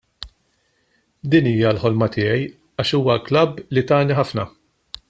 Din hija l-ħolma tiegħi għax huwa klabb li tani ħafna.